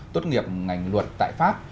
tốt nghiệp ngành luật tại pháp